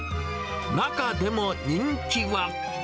中でも人気は。